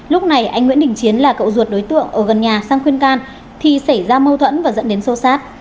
lúc này anh nguyễn đình chiến là cậu ruột đối tượng ở gần nhà sang khuyên can thì xảy ra mâu thuẫn và dẫn đến sô sát